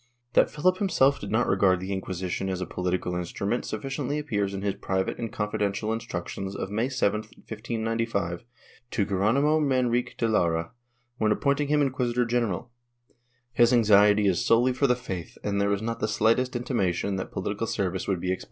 That Philip himself did not regard the Inquisition as a political instrument sufficiently appears in his private and confidential instructions of May 7, 1595, to Geronimo Manrique de Lara, wdien appointing him inquisitor general; his anxiety is solely for the faith and there is not the slightest intimation that political service would be expected.